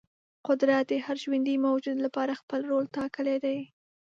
قدرت د هر ژوندې موجود لپاره خپل رول ټاکلی دی.